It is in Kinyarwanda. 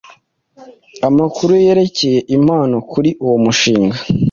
Amakuru yerekeye impano kuri uwomushinga